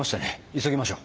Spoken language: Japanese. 急ぎましょう。